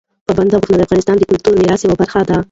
پابندي غرونه د افغانستان د کلتوري میراث یوه برخه ده.